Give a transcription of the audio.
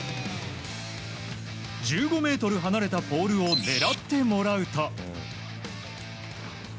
１５ｍ離れたポールを狙ってもらうと。